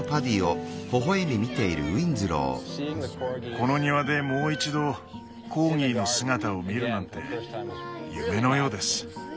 この庭でもう一度コーギーの姿を見るなんて夢のようです。